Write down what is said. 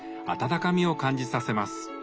温かみを感じさせます。